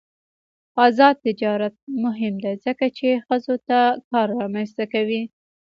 آزاد تجارت مهم دی ځکه چې ښځو ته کار رامنځته کوي.